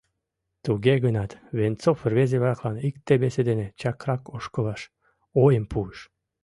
Туге гынат Венцов рвезе-влаклан икте-весе дене чакрак ошкылаш ойым пуыш.